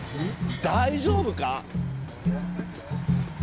大丈夫か？